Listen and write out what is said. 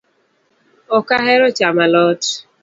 Ok ahero chamo alot